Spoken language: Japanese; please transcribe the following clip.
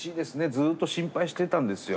ずっと心配していたんですよ。